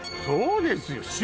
そうですよ